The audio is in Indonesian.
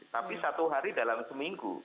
yang diberikan dalam seminggu